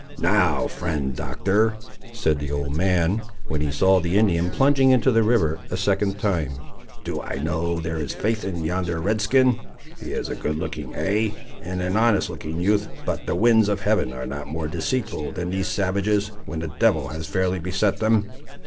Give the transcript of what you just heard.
"Now, friend Doctor," said the old man, when he saw the Indian plunging into the river a second time, "do I know there is faith in yonder Red skin. He is a good looking, ay, and an honest looking youth, but the winds of Heaven are not more deceitful than these savages, when the devil has fairly beset them.